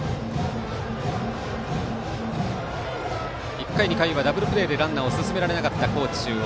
１回、２回はダブルプレーでランナーを進められなかった高知中央。